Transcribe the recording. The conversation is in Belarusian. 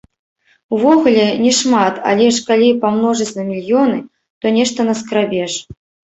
Увогуле, не шмат, але ж калі памножыць на мільёны, то нешта наскрабеш.